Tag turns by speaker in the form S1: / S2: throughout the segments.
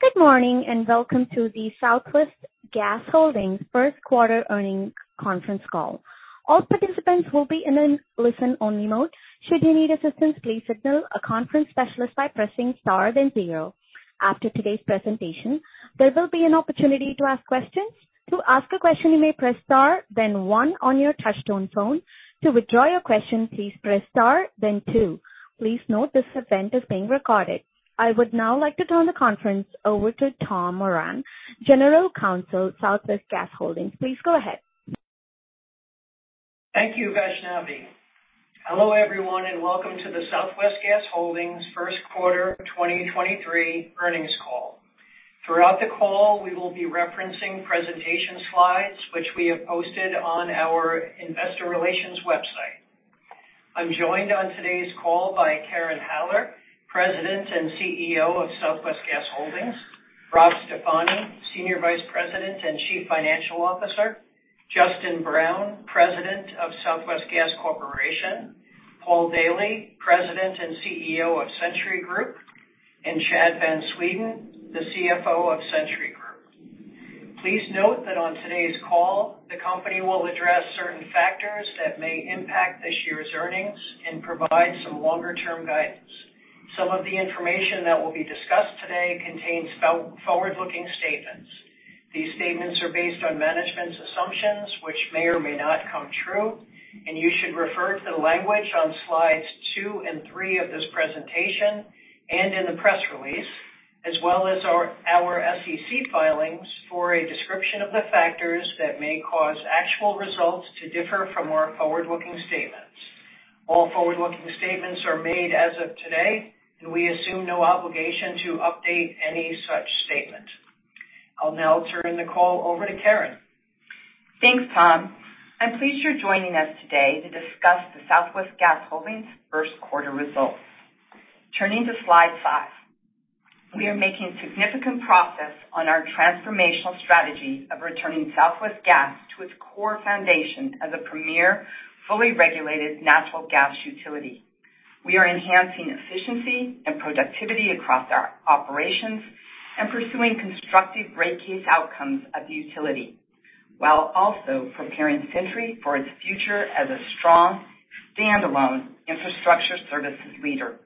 S1: Good morning, and welcome to the Southwest Gas Holdings first quarter earnings conference call. All participants will be in a listen-only mode. Should you need assistance, please signal a conference specialist by pressing star then zero. After today's presentation, there will be an opportunity to ask questions. To ask a question, you may press star then one on your touch-tone phone. To withdraw your question, please press star then two. Please note this event is being recorded. I would now like to turn the conference over to Tom Moran, General Counsel, Southwest Gas Holdings. Please go ahead.
S2: Thank you, Vaishnavi. Hello, everyone, and welcome to the Southwest Gas Holdings first quarter 2023 earnings call. Throughout the call, we will be referencing presentation slides which we have posted on our Investor Relations website. I'm joined on today's call by Karen Haller, President and CEO of Southwest Gas Holdings, Rob Stefani, Senior Vice President and Chief Financial Officer, Justin Brown, President of Southwest Gas Corporation, Paul Daily, President and CEO of Centuri Group, Chad Van Sweden, the CFO of Centuri Group. Please note that on today's call, the company will address certain factors that may impact this year's earnings and provide some longer-term guidance. Some of the information that will be discussed today contains forward-looking statements. These statements are based on management's assumptions, which may or may not come true. You should refer to the language on slides two and three of this presentation and in the press release, as well as our SEC filings for a description of the factors that may cause actual results to differ from our forward-looking statements. All forward-looking statements are made as of today. We assume no obligation to update any such statement. I'll now turn the call over to Karen.
S3: Thanks, Tom. I'm pleased you're joining us today to discuss the Southwest Gas Holdings first quarter results. Turning to slide five. We are making significant progress on our transformational strategy of returning Southwest Gas to its core foundation as a premier, fully regulated natural gas utility. We are enhancing efficiency and productivity across our operations and pursuing constructive rate case outcomes at the utility, while also preparing Centuri for its future as a strong standalone infrastructure services leader.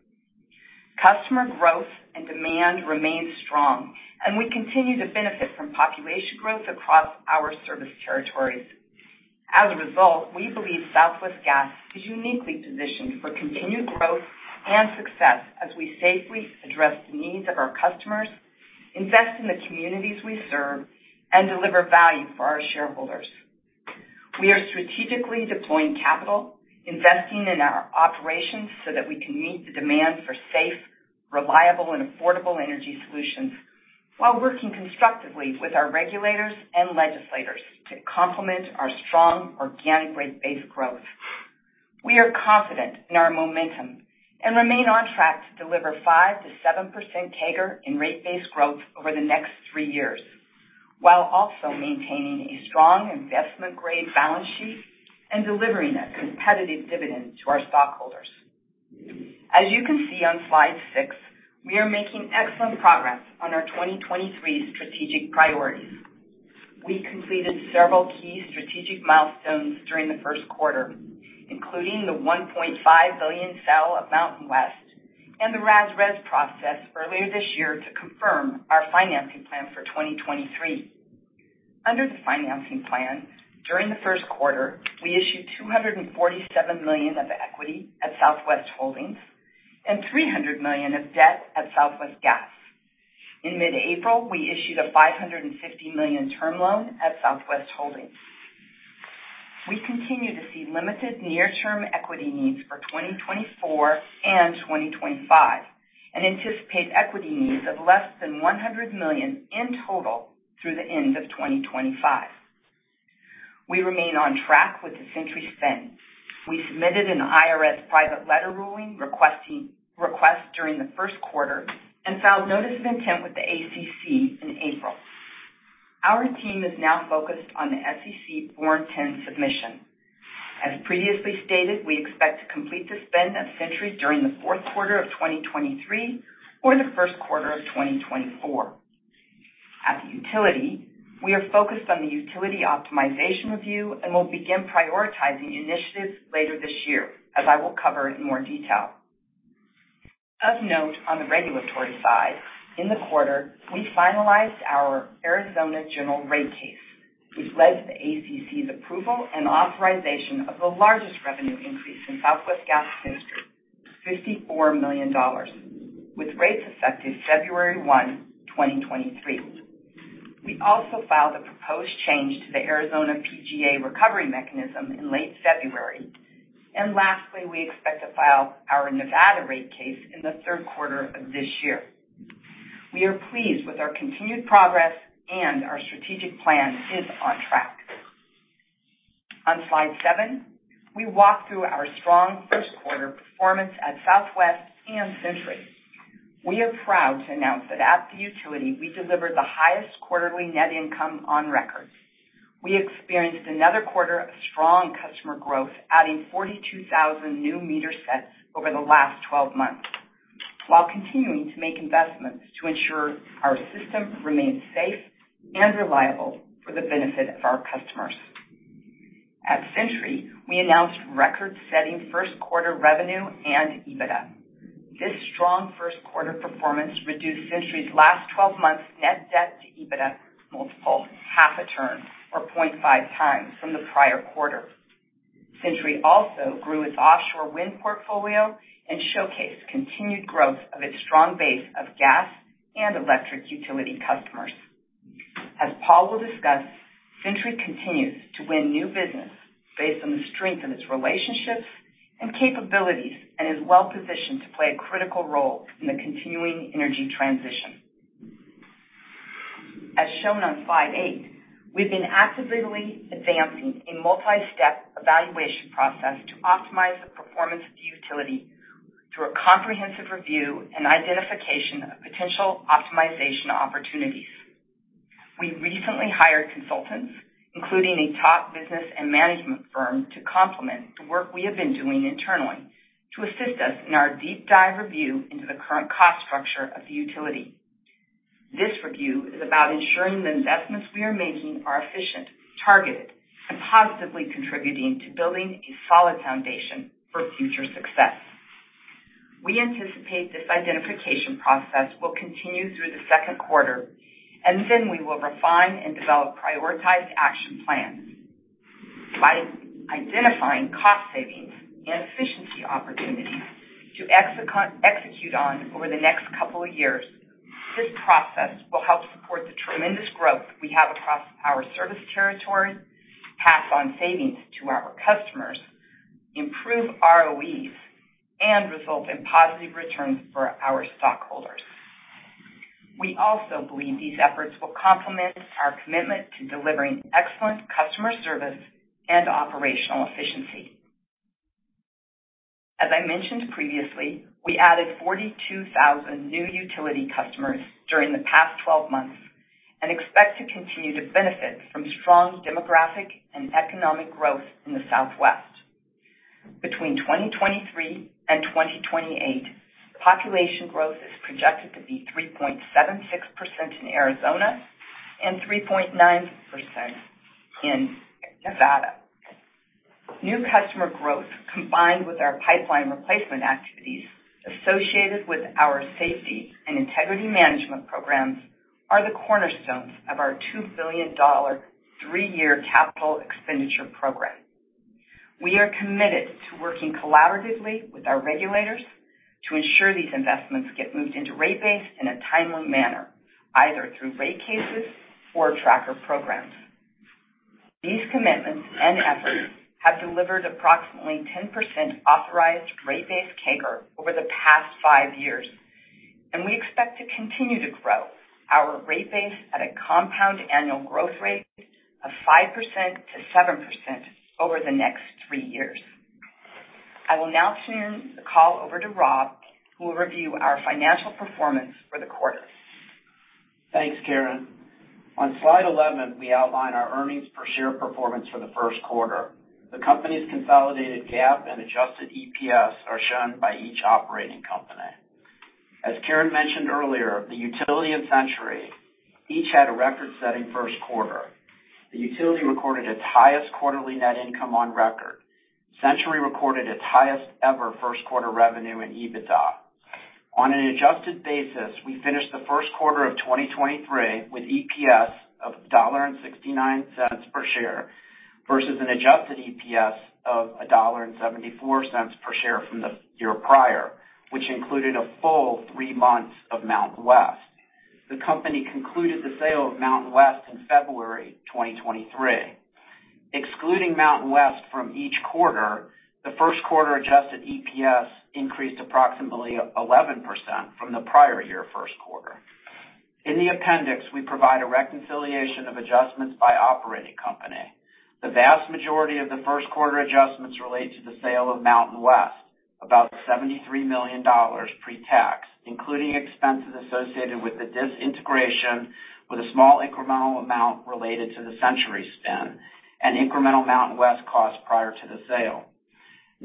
S3: Customer growth and demand remain strong. We continue to benefit from population growth across our service territories. As a result, we believe Southwest Gas is uniquely positioned for continued growth and success as we safely address the needs of our customers, invest in the communities we serve, and deliver value for our shareholders. We are strategically deploying capital, investing in our operations so that we can meet the demand for safe, reliable, and affordable energy solutions while working constructively with our regulators and legislators to complement our strong organic rate base growth. We are confident in our momentum and remain on track to deliver 5%-7% CAGR in rate base growth over the next three years, while also maintaining a strong investment-grade balance sheet and delivering a competitive dividend to our stockholders. As you can see on slide six, we are making excellent progress on our 2023 strategic priorities. We completed several key strategic milestones during the first quarter, including the $1.5 billion sale of MountainWest and the RAS/RES process earlier this year to confirm our financing plan for 2023. Under the financing plan, during the first quarter, we issued $247 million of equity at Southwest Holdings and $300 million of debt at Southwest Gas. In mid-April, we issued a $550 million term loan at Southwest Holdings. We continue to see limited near-term equity needs for 2024 and 2025 and anticipate equity needs of less than $100 million in total through the end of 2025. We remain on track with the Centuri spin. We submitted an IRS private letter ruling request during the first quarter and filed notice of intent with the ACC in April. Our team is now focused on the SEC Form 10 submission. As previously stated, we expect to complete the spin of Centuri during the fourth quarter of 2023 or the first quarter of 2024. At the utility, we are focused on the utility optimization review and will begin prioritizing initiatives later this year, as I will cover in more detail. Of note on the regulatory side, in the quarter, we finalized our Arizona general rate case, which led to the ACC's approval and authorization of the largest revenue increase in Southwest Gas history, $54 million, with rates effective February 1, 2023. We also filed a proposed change to the Arizona PGA recovery mechanism in late February. Lastly, we expect to file our Nevada rate case in the third quarter of this year. We are pleased with our continued progress and our strategic plan is on track. On slide seven, we walk through our strong first quarter performance at Southwest and Centuri. We are proud to announce that at the utility, we delivered the highest quarterly net income on record. We experienced another quarter of strong customer growth, adding 42,000 new meter sets over the last 12 months, while continuing to make investments to ensure our system remains safe and reliable for the benefit of our customers. At Centuri, we announced record-setting first quarter revenue and EBITDA. This strong first quarter performance reduced Centuri's last 12 months net debt to EBITDA multiple half a turn, or 0.5x from the prior quarter. Centuri also grew its offshore wind portfolio and showcased continued growth of its strong base of gas and electric utility customers. As Paul will discuss, Centuri continues to win new business based on the strength of its relationships and capabilities, and is well-positioned to play a critical role in the continuing energy transition. As shown on slide eight, we've been actively advancing a multi-step evaluation process to optimize the performance of the utility through a comprehensive review and identification of potential optimization opportunities. We recently hired consultants, including a top business and management firm, to complement the work we have been doing internally to assist us in our deep dive review into the current cost structure of the utility. This review is about ensuring the investments we are making are efficient, targeted, and positively contributing to building a solid foundation for future success. We anticipate this identification process will continue through the second quarter, and then we will refine and develop prioritized action plans. By identifying cost savings and efficiency opportunities to execute on over the next couple of years, this process will help support the tremendous growth we have across our service territory, pass on savings to our customers, improve ROEs, and result in positive returns for our stockholders. We also believe these efforts will complement our commitment to delivering excellent customer service and operational efficiency. As I mentioned previously, we added 42,000 new utility customers during the past 12 months. We expect to continue to benefit from strong demographic and economic growth in the Southwest. Between 2023 and 2028, population growth is projected to be 3.76% in Arizona and 3.9% in Nevada. New customer growth, combined with our pipeline replacement activities associated with our safety and integrity management programs, are the cornerstones of our $2 billion three-year capital expenditure program. We are committed to working collaboratively with our regulators to ensure these investments get moved into rate base in a timely manner, either through rate cases or tracker programs. These commitments and efforts have delivered approximately 10% authorized rate base CAGR over the past five years, and we expect to continue to grow our rate base at a compound annual growth rate of 5%-7% over the next three years. I will now turn the call over to Rob, who will review our financial performance for the quarter.
S4: Thanks, Karen. On slide 11, we outline our earnings per share performance for the first quarter. The company's consolidated GAAP and adjusted EPS are shown by each operating company. As Karen mentioned earlier, the utility and Centuri each had a record-setting 1st quarter. The utility recorded its highest quarterly net income on record. Centuri reported its highest ever first quarter revenue in EBITDA. On an adjusted basis, we finished the first quarter of 2023 with EPS of $1.69 per share versus an adjusted EPS of $1.74 per share from the year prior, which included a full three months of MountainWest. The company concluded the sale of MountainWest in February 2023. Excluding MountainWest from each quarter, the first quarter adjusted EPS increased approximately 11% from the prior year first quarter. In the appendix, we provide a reconciliation of adjustments by operating company. The vast majority of the first quarter adjustments relate to the sale of MountainWest, about $73 million pre-tax, including expenses associated with the disintegration, with a small incremental amount related to the Centuri spin and incremental MountainWest costs prior to the sale.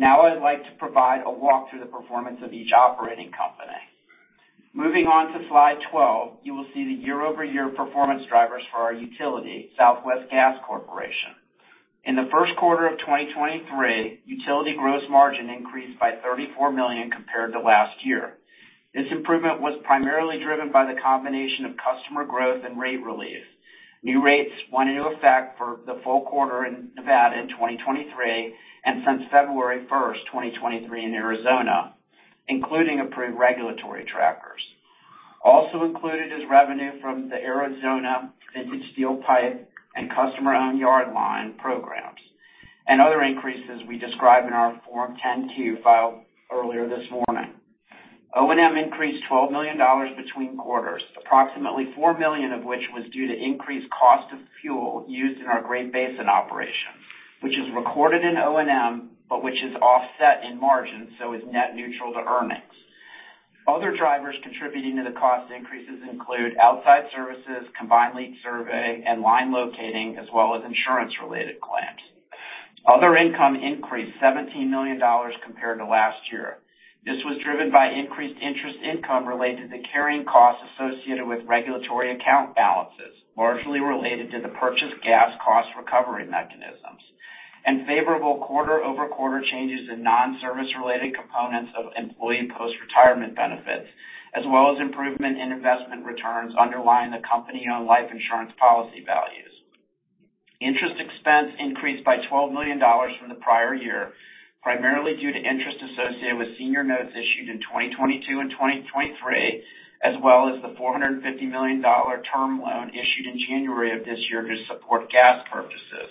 S4: I'd like to provide a walk through the performance of each operating company. Moving on to slide 12, you will see the year-over-year performance drivers for our utility, Southwest Gas Corporation. In the first quarter of 2023, utility gross margin increased by $34 million compared to last year. This improvement was primarily driven by the combination of customer growth and rate relief. New rates went into effect for the full quarter in Nevada in 2023, and since February 1, 2023 in Arizona, including approved regulatory trackers. Also included is revenue from the Arizona Vintage Steel Pipe and Customer-Owned Yard Line programs, and other increases we describe in our Form 10-Q filed earlier this morning. O&M increased $12 million between quarters, approximately $4 million of which was due to increased cost of fuel used in our Great Basin operation. Recorded in O&M, but which is offset in margin, so is net neutral to earnings. Other drivers contributing to the cost increases include outside services, combined lead survey and line locating, as well as insurance-related claims. Other income increased $17 million compared to last year. This was driven by increased interest income related to the carrying costs associated with regulatory account balances, largely related to the purchase gas cost recovery mechanisms and favorable quarter-over-quarter changes in non-service related components of employee post-retirement benefits, as well as improvement in investment returns underlying the company on life insurance policy values. Interest expense increased by $12 million from the prior year, primarily due to interest associated with senior notes issued in 2022 and 2023, as well as the $450 million term loan issued in January of this year to support gas purchases.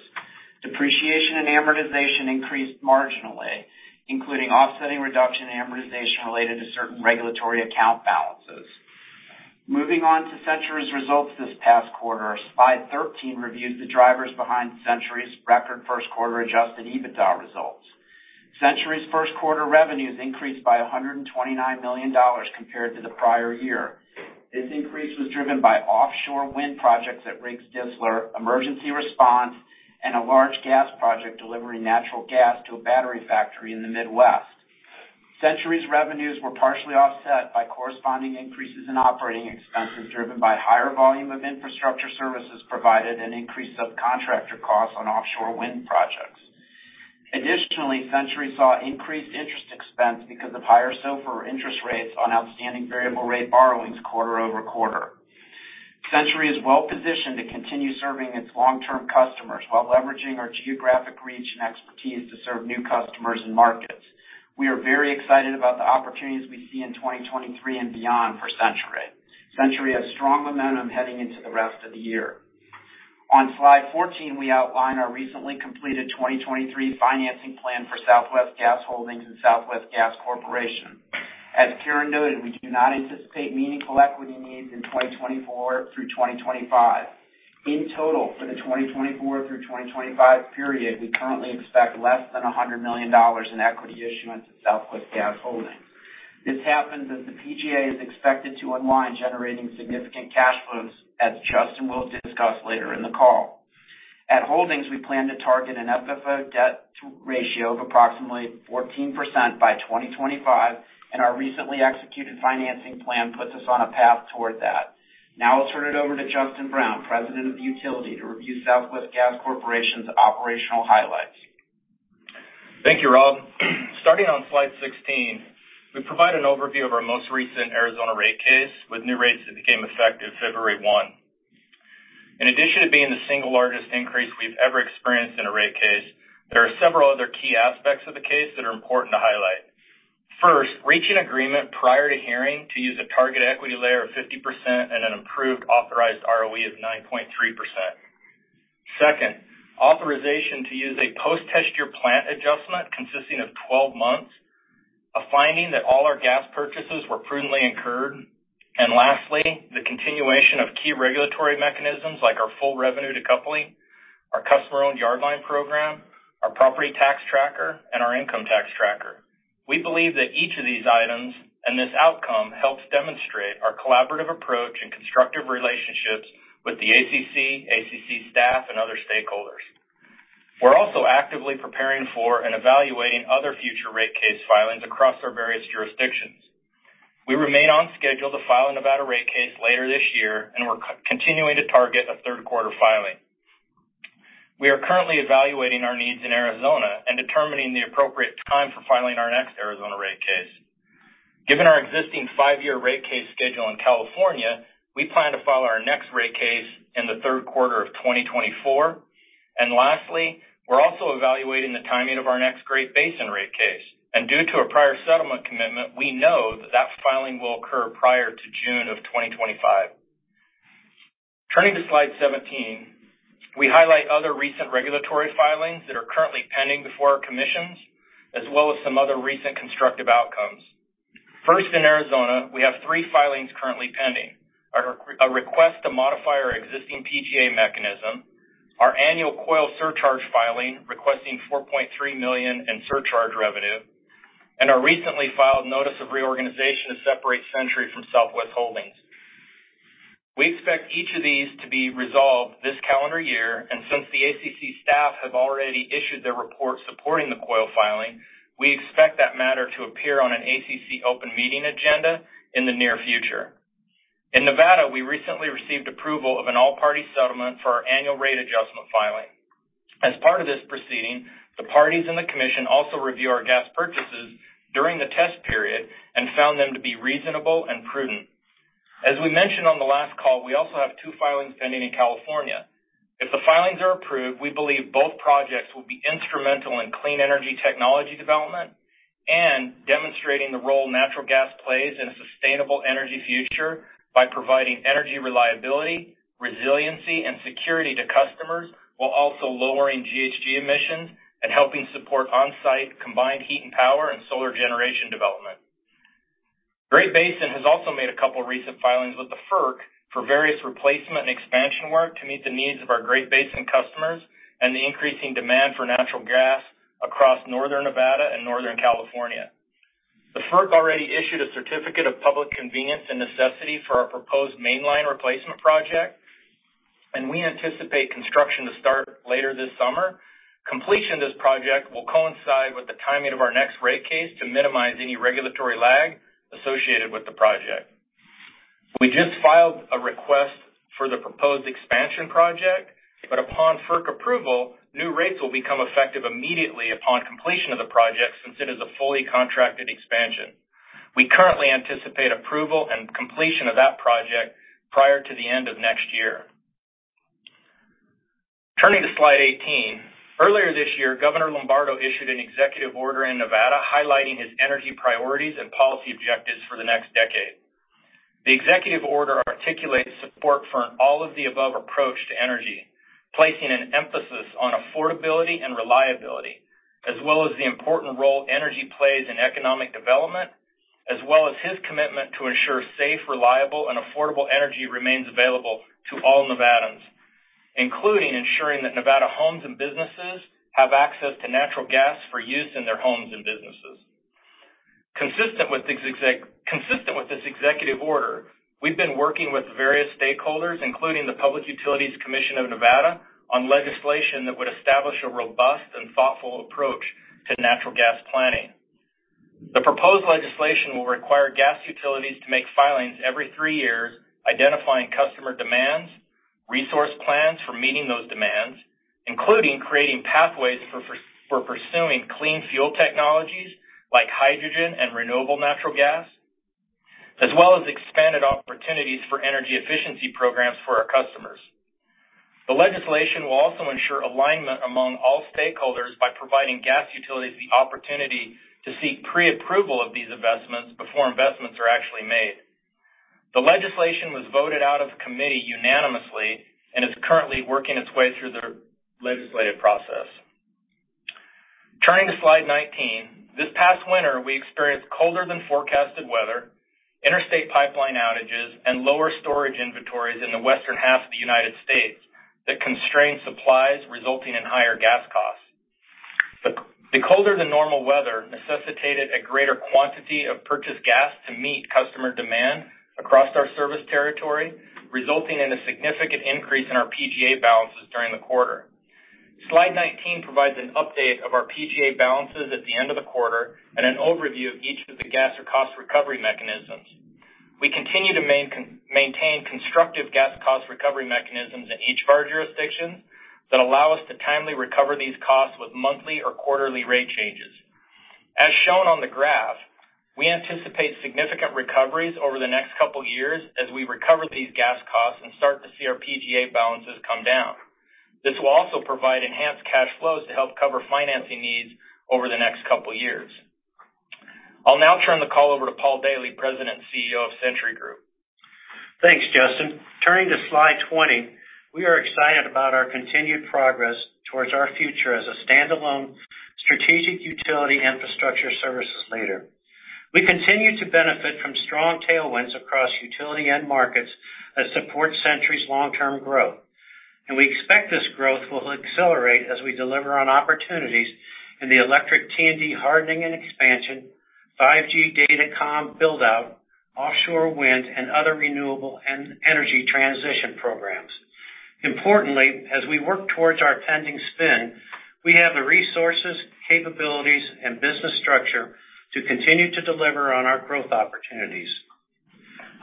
S4: Depreciation and amortization increased marginally, including offsetting reduction in amortization related to certain regulatory account balances. Moving on to Centuri's results this past quarter. Slide 13 reviews the drivers behind Centuri's record first quarter adjusted EBITDA results. Centuri's first quarter revenues increased by $129 million compared to the prior year. This increase was driven by offshore wind projects at Riggs Distler, emergency response, and a large gas project delivering natural gas to a battery factory in the Midwest. Centuri's revenues were partially offset by corresponding increases in operating expenses driven by higher volume of infrastructure services provided and increased subcontractor costs on offshore wind projects. Additionally, Centuri saw increased interest expense because of higher SOFR interest rates on outstanding variable rate borrowings quarter-over-quarter. Centuri is well-positioned to continue serving its long-term customers while leveraging our geographic reach and expertise to serve new customers and markets. We are very excited about the opportunities we see in 2023 and beyond for Centuri. Centuri has strong momentum heading into the rest of the year. On slide 14, we outline our recently completed 2023 financing plan for Southwest Gas Holdings and Southwest Gas Corporation. As Karen noted, we do not anticipate meaningful equity needs in 2024 through 2025. In total, for the 2024 through 2025 period, we currently expect less than $100 million in equity issuance at Southwest Gas Holdings. This happens as the PGA is expected to unwind, generating significant cash flows, as Justin will discuss later in the call. At Holdings, we plan to target an EBITDA debt to ratio of approximately 14% by 2025, and our recently executed financing plan puts us on a path toward that. Now I'll turn it over to Justin Brown, President of Utility, to review Southwest Gas Corporation's operational highlights.
S5: Thank you, Rob. Starting on slide 16, we provide an overview of our most recent Arizona rate case with new rates that became effective February 1. In addition to being the single largest increase we've ever experienced in a rate case, there are several other key aspects of the case that are important to highlight. First, reach an agreement prior to hearing to use a target equity layer of 50% and an improved authorized ROE of 9.3%. Second, authorization to use a post-test year plant adjustment consisting of 12 months, a finding that all our gas purchases were prudently incurred. Lastly, the continuation of key regulatory mechanisms like our full revenue decoupling, our Customer-Owned Yard Line program, our property tax tracker, and our income tax tracker. We believe that each of these items and this outcome helps demonstrate our collaborative approach and constructive relationships with the ACC staff, and other stakeholders. We're also actively preparing for and evaluating other future rate case filings across our various jurisdictions. We remain on schedule to file a Nevada rate case later this year, and we're continuing to target a third quarter filing. We are currently evaluating our needs in Arizona and determining the appropriate time for filing our next Arizona rate case. Given our existing five-year rate case schedule in California, we plan to file our next rate case in the third quarter of 2024. Lastly, we're also evaluating the timing of our next Great Basin rate case. Due to a prior settlement commitment, we know that that filing will occur prior to June of 2025. Turning to slide 17, we highlight other recent regulatory filings that are currently pending before our commissions, as well as some other recent constructive outcomes. First, in Arizona, we have three filings currently pending. A request to modify our existing PGA mechanism, our annual COYL surcharge filing requesting $4.3 million in surcharge revenue, and our recently filed notice of reorganization to separate Centuri from Southwest Holdings. We expect each of these to be resolved this calendar year, and since the ACC staff have already issued their report supporting the COYL filing, we expect that matter to appear on an ACC open meeting agenda in the near future. In Nevada, we recently received approval of an all-party settlement for our annual rate adjustment filing. As part of this proceeding, the parties and the commission also review our gas purchases during the test period and found them to be reasonable and prudent. As we mentioned on the last call, we also have two filings pending in California. If the filings are approved, we believe both projects will be instrumental in clean energy technology development and demonstrating the role natural gas plays in a sustainable energy future by providing energy reliability, resiliency, and security to customers, while also lowering GHG emissions and helping support on-site combined heat and power and solar generation development. Great Basin has also made a couple recent filings with the FERC for various replacement and expansion work to meet the needs of our Great Basin customers and the increasing demand for natural gas across Northern Nevada and Northern California. The FERC already issued a certificate of public convenience and necessity for our proposed mainline replacement project. We anticipate construction to start later this summer. Completion of this project will coincide with the timing of our next rate case to minimize any regulatory lag associated with the project. We just filed a request for the proposed expansion project. Upon FERC approval, new rates will become effective immediately upon completion of the project since it is a fully contracted expansion. We currently anticipate approval and completion of that project prior to the end of next year. Turning to slide 18. Earlier this year, Governor Lombardo issued an executive order in Nevada highlighting his energy priorities and policy objectives for the next decade. The executive order articulates support for an all-of-the-above approach to energy, placing an emphasis on affordability and reliability, as well as the important role energy plays in economic development, as well as his commitment to ensure safe, reliable, and affordable energy remains available to all Nevadans, including ensuring that Nevada homes and businesses have access to natural gas for use in their homes and businesses. Consistent with this executive order, we've been working with various stakeholders, including the Public Utilities Commission of Nevada, on legislation that would establish a robust and thoughtful approach to natural gas planning. The proposed legislation will require gas utilities to make filings every three years, identifying customer demands, resource plans for meeting those demands, including creating pathways for pursuing clean fuel technologies like hydrogen and renewable natural gas, as well as expanded opportunities for energy efficiency programs for our customers. The legislation will also ensure alignment among all stakeholders by providing gas utilities the opportunity to seek pre-approval of these investments before investments are actually made. The legislation was voted out of committee unanimously and is currently working its way through the legislative process. Turning to slide 19. This past winter, we experienced colder than forecasted weather, interstate pipeline outages, and lower storage inventories in the western half of the United States that constrained supplies resulting in higher gas costs. The colder-than-normal weather necessitated a greater quantity of purchased gas to meet customer demand across our service territory, resulting in a significant increase in our PGA balances during the quarter. Slide 19 provides an update of our PGA balances at the end of the quarter and an overview of each of the gas or cost recovery mechanisms. We continue to maintain constructive gas cost recovery mechanisms in each of our jurisdictions that allow us to timely recover these costs with monthly or quarterly rate changes. As shown on the graph, we anticipate significant recoveries over the next couple years as we recover these gas costs and start to see our PGA balances come down. This will also provide enhanced cash flows to help cover financing needs over the next couple years. I'll now turn the call over to Paul Daily, President and CEO of Centuri Group.
S6: Thanks, Justin. Turning to slide 20. We are excited about our continued progress towards our future as a standalone strategic utility infrastructure services leader. We continue to benefit from strong tailwinds across utility end markets that support Centuri's long-term growth, and we expect this growth will accelerate as we deliver on opportunities in the electric T&D hardening and expansion, 5G data comm build-out, offshore wind, and other renewable energy transition programs. Importantly, as we work towards our pending spin, we have the resources, capabilities, and business structure to continue to deliver on our growth opportunities.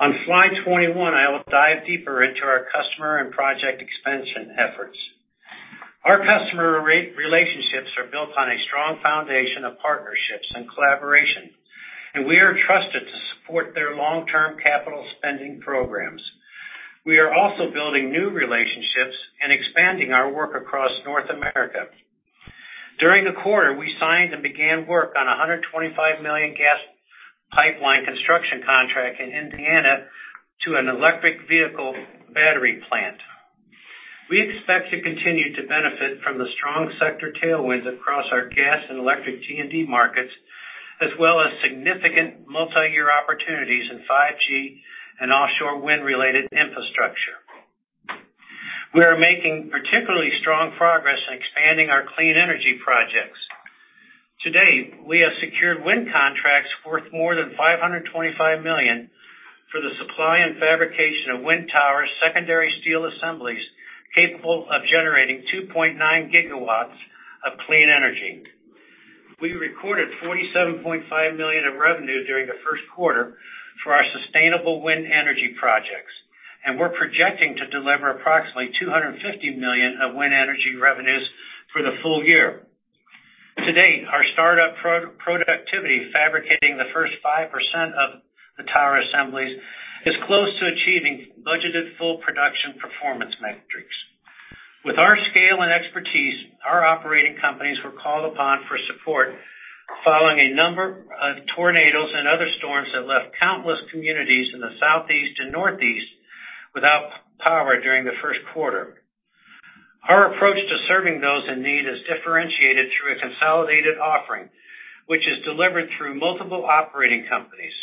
S6: On slide 21, I will dive deeper into our customer and project expansion efforts. Our customer relationships are built on a strong foundation of partnerships and collaboration, and we are trusted to support their long-term capital spending programs. We are also building new relationships and expanding our work across North America. During the quarter, we signed and began work on a $125 million gas pipeline construction contract in Indiana to an electric vehicle battery plant. We expect to continue to benefit from the strong sector tailwinds across our gas and electric T&D markets, as well as significant multi-year opportunities in 5G and offshore wind-related infrastructure. We are making particularly strong progress in expanding our clean energy projects. To date, we have secured wind contracts worth more than $525 million for the supply and fabrication of wind tower secondary steel assemblies capable of generating 2.9 GW of clean energy. We recorded $47.5 million of revenue during the first quarter for our sustainable wind energy projects, and we're projecting to deliver approximately $250 million of wind energy revenues for the full year. To date, our startup productivity fabricating the first 5% of the tower assemblies is close to achieving budgeted full production performance metrics. With our scale and expertise, our operating companies were called upon for support following a number of tornadoes and other storms that left countless communities in the southeast and northeast without power during the first quarter. Our approach to serving those in need is differentiated through a consolidated offering, which is delivered through multiple operating companies.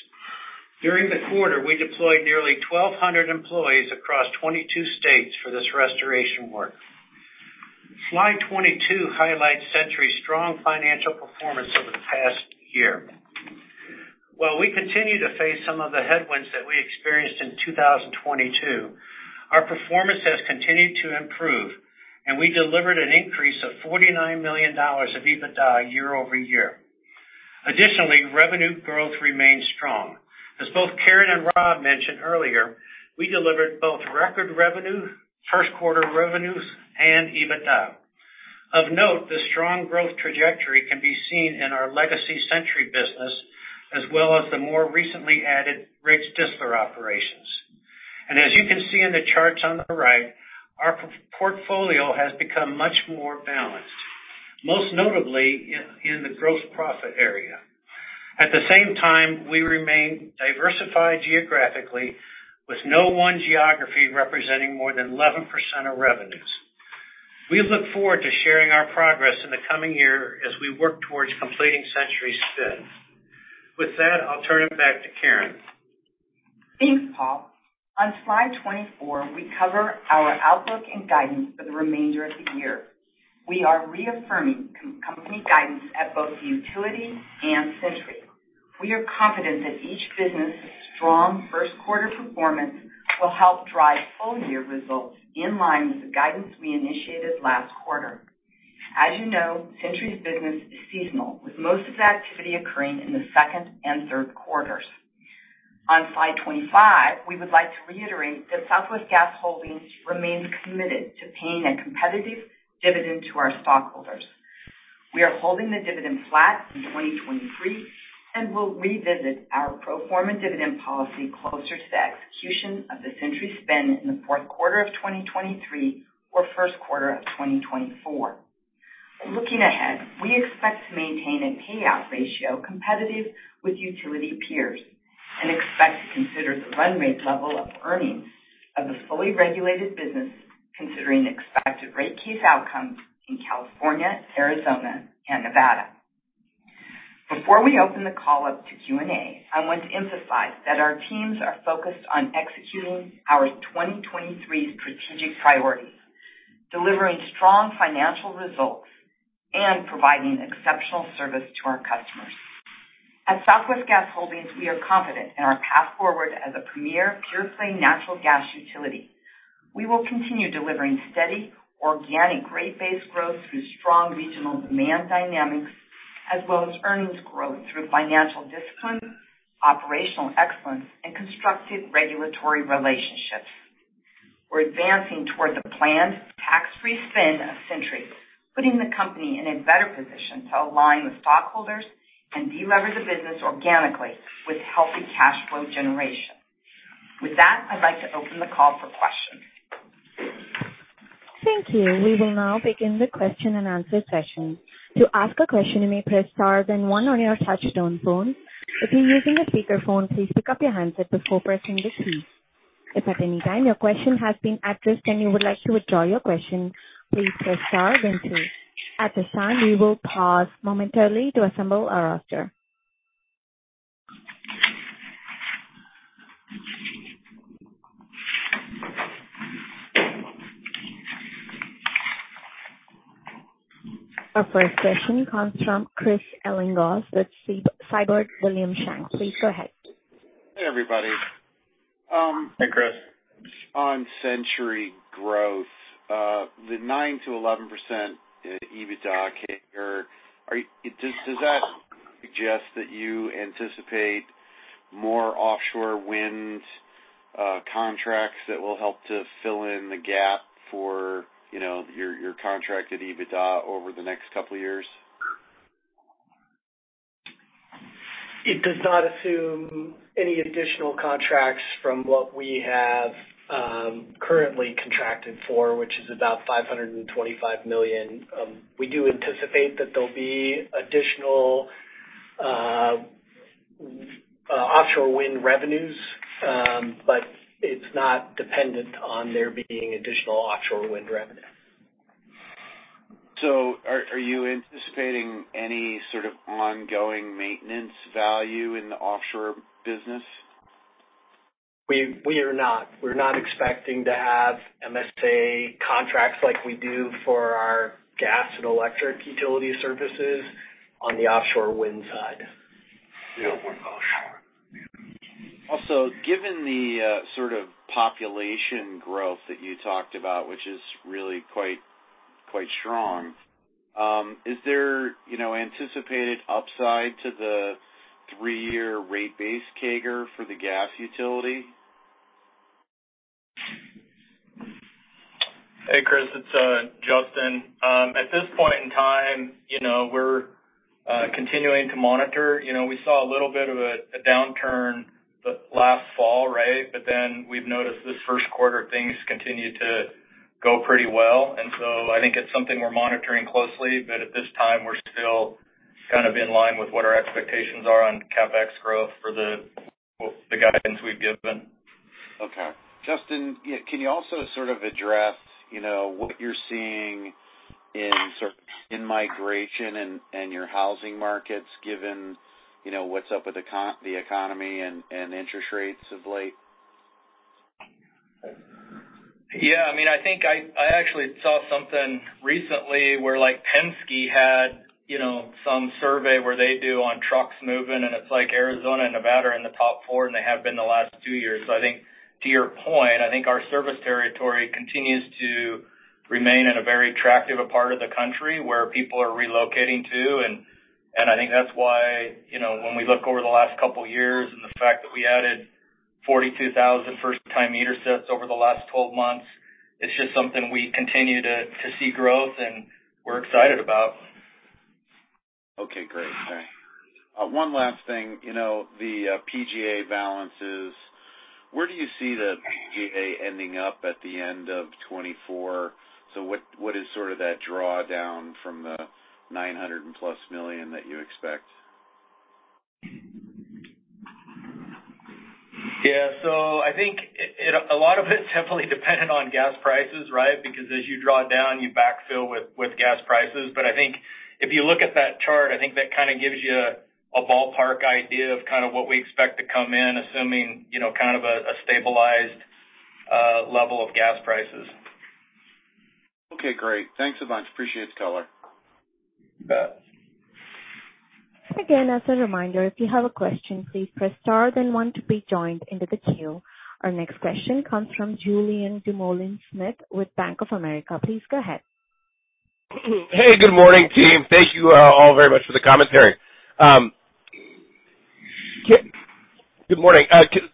S6: During the quarter, we deployed nearly 1,200 employees across 22 states for this restoration work. Slide 22 highlights Centuri's strong financial performance over the past year. While we continue to face some of the headwinds that we experienced in 2022, our performance has continued to improve, and we delivered an increase of $49 million of EBITDA year-over-year. Additionally, revenue growth remains strong. As both Karen and Rob mentioned earlier, we delivered both record revenue, first quarter revenues and EBITDA. Of note, the strong growth trajectory can be seen in our legacy Centuri business as well as the more recently added Riggs Distler operations. As you can see in the charts on the right, our portfolio has become much more balanced, most notably in the gross profit area. At the same time, we remain diversified geographically, with no one geography representing more than 11% of revenues. We look forward to sharing our progress in the coming year as we work towards completing Centuri's spin. With that, I'll turn it back to Karen.
S3: Thanks, Paul. On slide 24, we cover our outlook and guidance for the remainder of the year. We are reaffirming company guidance at both Utility and Centuri. We are confident that each business' strong first quarter performance will help drive full year results in line with the guidance we initiated last quarter. As you know, Centuri's business is seasonal, with most of the activity occurring in the second and third quarters. On slide 25, we would like to reiterate that Southwest Gas Holdings remains committed to paying a competitive dividend to our stockholders. We are holding the dividend flat in 2023 and will revisit our pro forma dividend policy closer to the execution of the Centuri spin in the fourth quarter of 2023 or first quarter of 2024. Looking ahead, we expect to maintain a payout ratio competitive with utility peers and expect to consider the run rate level of earnings of the fully regulated business considering the expected rate case outcomes in California, Arizona, and Nevada. Before we open the call up to Q&A, I want to emphasize that our teams are focused on executing our 2023 strategic priorities, delivering strong financial results, and providing exceptional service to our customers. At Southwest Gas Holdings, we are confident in our path forward as a premier [pure-play] natural gas utility. We will continue delivering steady, organic, rate-based growth through strong regional demand dynamics as well as earnings growth through financial discipline, operational excellence, and constructive regulatory relationships. We're advancing toward the planned tax-free spin of Centuri, putting the company in a better position to align with stockholders and delever the business organically with healthy cash flow generation. With that, I'd like to open the call for questions.
S1: Thank you. We will now begin the question-and-answer session. To ask a question, you may press star then one on your touch-tone phone. If you're using a speakerphone, please pick up your handset before pressing the key. If at any time your question has been addressed and you would like to withdraw your question, please press star then two. At this time, we will pause momentarily to assemble our roster. Our first question comes from Chris Ellinghaus with Siebert Williams Shank. Please go ahead.
S7: Hey, everybody.
S6: Hey, Chris.
S7: On Centuri growth, the 9%-11% EBITDA CAGR, does that suggest that you anticipate more offshore wind contracts that will help to fill in the gap for, you know, your contracted EBITDA over the next couple of years?
S8: It does not assume any additional contracts from what we have, currently contracted for, which is about $525 million. We do anticipate that there'll be additional offshore wind revenues, but it's not dependent on there being additional offshore wind revenue.
S7: Are you anticipating any sort of ongoing maintenance value in the offshore business?
S8: We are not. We're not expecting to have MSA contracts like we do for our gas and electric utility services on the offshore wind side.
S7: Given the sort of population growth that you talked about, which is really quite strong, is there, you know, anticipated upside to the three-year rate base CAGR for the gas utility?
S5: Hey, Chris, it's Justin. At this point in time, you know, we're continuing to monitor. You know, we saw a little bit of a downturn the last fall, right? We've noticed this first quarter things continued to go pretty well. I think it's something we're monitoring closely. At this time, we're still kind of in line with what our expectations are on CapEx growth for the, well, the guidance we've given.
S7: Okay. Justin, can you also sort of address, you know, what you're seeing in sort of in-migration and your housing markets given, you know, what's up with the economy and interest rates of late?
S5: Yeah. I mean, I think I actually saw something recently where like Penske had, you know, some survey where they do on trucks moving, and it's like Arizona and Nevada are in the top 4, and they have been the last two years. I think to your point, I think our service territory continues to remain in a very attractive part of the country where people are relocating to. I think that's why, you know, when we look over the last couple years and the fact that we added 42,000 first-time meter sets over the last 12 months, it's just something we continue to see growth and we're excited about.
S7: Okay, great. All right. One last thing, you know, the PGA balances, where do you see the PGA ending up at the end of 2024? What is sort of that drawdown from the $900+ million that you expect?
S5: Yeah. I think a lot of it is definitely dependent on gas prices, right? Because as you draw down, you backfill with gas prices. I think if you look at that chart, I think that kind of gives you a ballpark idea of kind of what we expect to come in, assuming, you know, kind of a stabilized level of gas prices.
S7: Okay, great. Thanks a bunch. Appreciate the color.
S5: You bet.
S1: As a reminder, if you have a question, please press star then one to be joined into the queue. Our next question comes from Julien Dumoulin-Smith with Bank of America. Please go ahead.
S9: Hey, good morning, team. Thank you, all very much for the commentary. Good morning.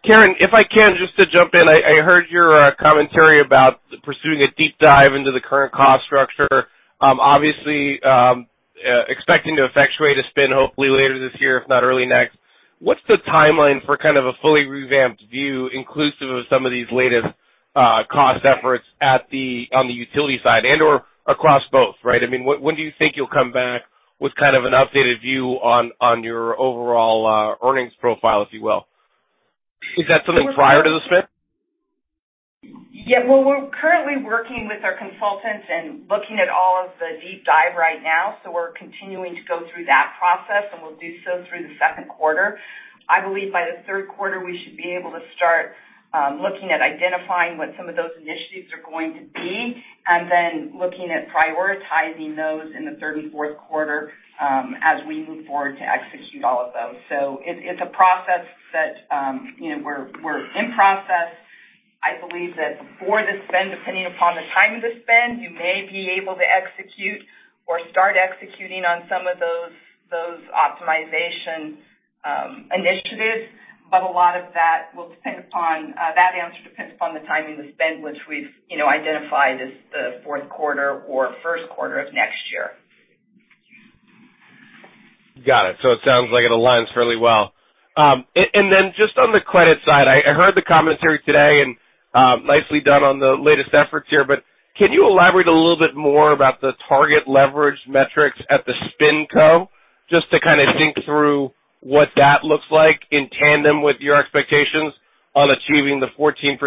S9: Karen, if I can, just to jump in, I heard your commentary about pursuing a deep dive into the current cost structure. obviously, expecting to effectuate a spin hopefully later this year, if not early next. What's the timeline for kind of a fully revamped view inclusive of some of these latest cost efforts on the utility side and/or across both, right? I mean, when do you think you'll come back with kind of an updated view on your overall earnings profile, if you will? Is that something prior to the spin?
S3: Well, we're currently working with our consultants and looking at all of the deep dive right now, so we're continuing to go through that process, and we'll do so through the second quarter. I believe by the third quarter, we should be able to start looking at identifying what some of those initiatives are going to be and then looking at prioritizing those in the third and fourth quarter as we move forward to execute all of those. It's a process that, you know, we're in process. I believe that for the spend, depending upon the timing of the spend, you may be able to execute or start executing on some of those optimization initiatives. A lot of that will depend upon, that answer depends upon the timing of the spend, which we've, you know, identified as the fourth quarter or first quarter of next year.
S9: Got it. It sounds like it aligns fairly well. And then just on the credit side, I heard the commentary today and nicely done on the latest efforts here. Can you elaborate a little bit more about the target leverage metrics at the SpinCo, just to kind of think through what that looks like in tandem with your expectations on achieving the 14%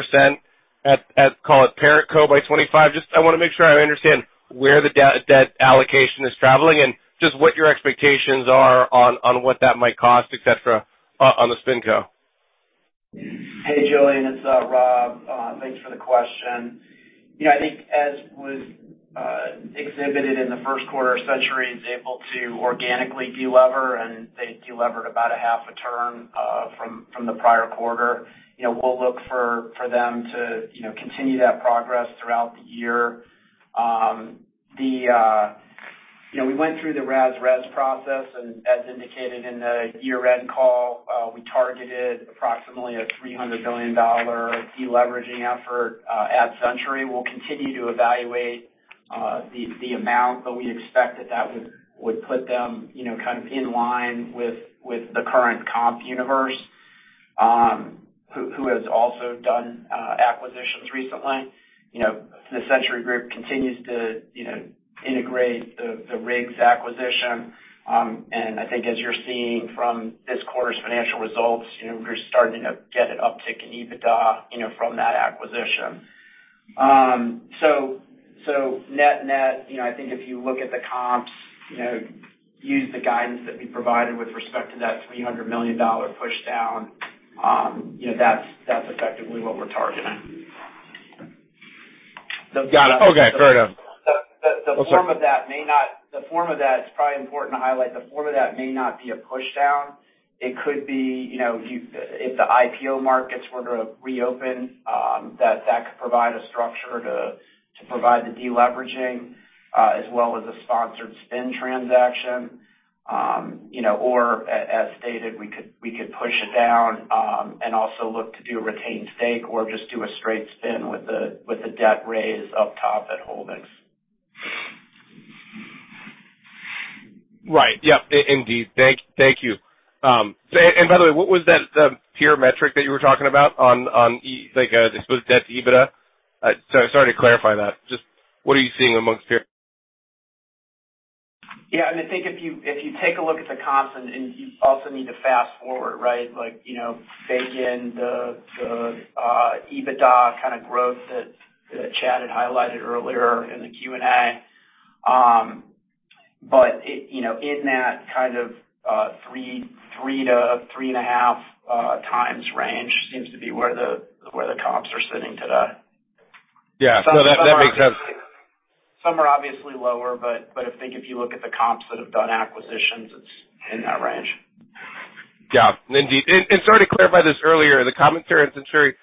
S9: at, call it ParentCo by 2025? Just I wanna make sure I understand where the debt allocation is traveling and just what your expectations are on what that might cost, et cetera, on the SpinCo.
S4: Hey, Julien, it's Rob. Thanks for the question. Yeah, I think as was exhibited in the first quarter, Centuri is able to organically delever, and they delevered about a half a term from the prior quarter. You know, we'll look for them to, you know, continue that progress throughout the year. You know, we went through the RAS/RES process, and as indicated in the year-end call, we targeted approximately a $300 million deleveraging effort at Centuri. We'll continue to evaluate the amount, but we expect that would put them, you know, kind of in line with the current comp universe, who has also done acquisitions recently. You know, the Centuri Group continues to, you know, integrate the Riggs acquisition. I think as you're seeing from this quarter's financial results, you know, we're starting to get an uptick in EBITDA, you know, from that acquisition. Net-net, you know, I think if you look at the comps, you know, use the guidance that we provided with respect to that $300 million pushdown, you know, that's effectively what we're targeting.
S9: Got it. Okay. Fair enough.
S4: The form of that, it's probably important to highlight, the form of that may not be a pushdown. It could be, you know, if the IPO markets were to reopen, that could provide a structure to provide the deleveraging, as well as a sponsored spin transaction. You know, as stated, we could push it down, and also look to do a retained stake or just do a straight spin with a debt raise up top at Holdings.
S9: Right. Yeah, indeed. Thank you. By the way, what was that peer metric that you were talking about, like the exposed debt to EBITDA? Sorry to clarify that. Just what are you seeing amongst peers?
S4: Yeah, I think if you take a look at the constant and you also need to fast-forward, right? Like, you know, bake in the EBITDA kind of growth that Chad had highlighted earlier in the Q&A. It... You know, in that kind of, 3x-3.5x range seems to be where the comps are sitting today.
S9: Yeah. That, that makes sense.
S4: Some are obviously lower, but I think if you look at the comps that have done acquisitions, it's in that range.
S9: Yeah. Indeed... Sorry to clarify this earlier, the commentary on Centuri.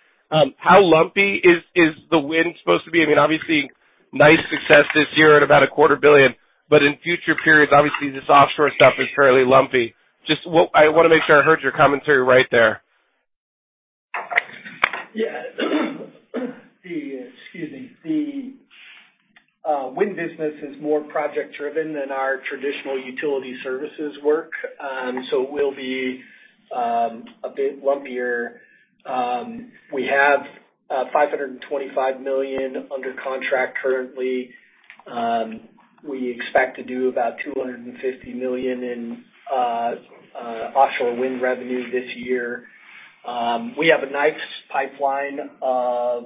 S9: How lumpy is the wind supposed to be? I mean, obviously nice success this year at about a quarter billion. In future periods, obviously this offshore stuff is fairly lumpy. Just I wanna make sure I heard your commentary right there.
S8: Excuse me. The wind business is more project driven than our traditional utility services work. It will be a bit lumpier. We have $525 million under contract currently. We expect to do about $250 million in offshore wind revenue this year. We have a nice pipeline of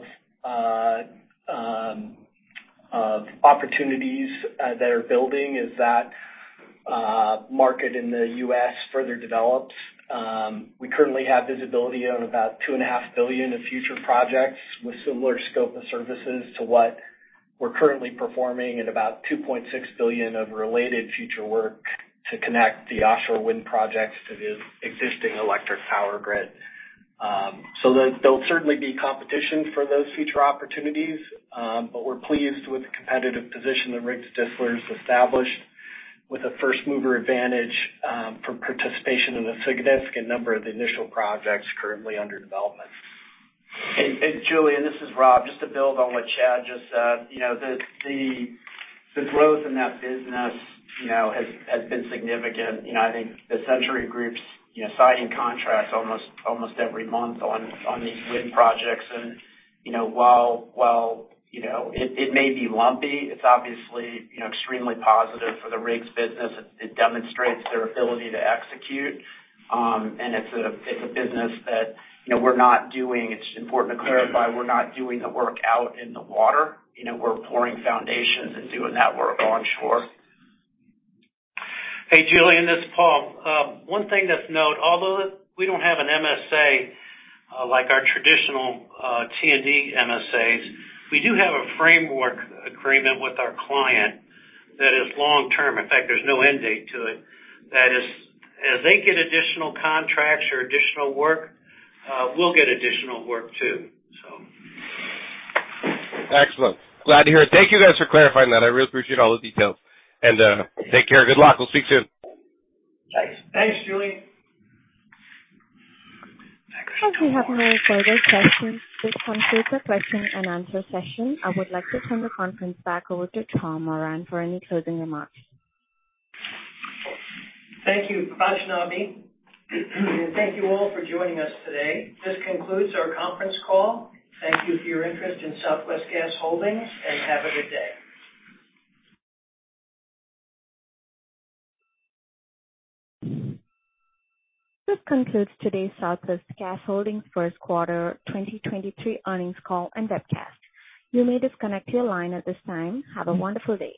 S8: opportunities that are building as that market in the U.S. further develops. We currently have visibility on about $2.5 billion in future projects with similar scope of services to what we're currently performing at about $2.6 billion of related future work to connect the offshore wind projects to the existing electric power grid. There'll certainly be competition for those future opportunities, but we're pleased with the competitive position that Riggs Distler has established with a first mover advantage, for participation in a significant number of the initial projects currently under development.
S4: Hey, Julien, this is Rob. Just to build on what Chad just said. You know, the growth in that business, you know, has been significant. You know, I think the Centuri Group's, you know, signing contracts almost every month on these wind projects. You know, while, you know, it may be lumpy, it's obviously, you know, extremely positive for the Riggs business. It demonstrates their ability to execute. It's a business that, you know, we're not doing, it's important to clarify, we're not doing the work out in the water. You know, we're pouring foundations and doing that work onshore.
S6: Hey, Julien, this is Paul. One thing that's note, although we don't have an MSA, like our traditional, T&D MSAs, we do have a framework agreement with our client that is long-term. In fact, there's no end date to it. That is, as they get additional contracts or additional work, we'll get additional work too.
S9: Excellent. Glad to hear it. Thank you guys for clarifying that. I really appreciate all the details. Take care. Good luck. We'll speak soon.
S6: Thanks.
S8: Thanks, Julien.
S1: As we have no further questions, this concludes the question and answer session. I would like to turn the conference back over to Tom Moran for any closing remarks.
S2: Thank you, Vaishnavi. Thank you all for joining us today. This concludes our conference call. Thank you for your interest in Southwest Gas Holdings, and have a good day.
S1: This concludes today's Southwest Gas Holdings first quarter 2023 earnings call and webcast. You may disconnect your line at this time. Have a wonderful day.